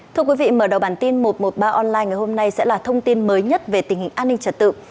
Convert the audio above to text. thưa quý vị mở đầu bản tin một trăm một mươi ba online ngày hôm nay sẽ là thông tin mới nhất về tình hình an ninh trật tự